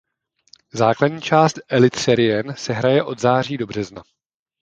Základní část Elitserien se hraje od září do března.